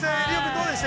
どうでした？